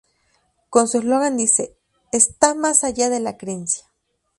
Como su eslogan dice: ¡Está más allá de la creencia!.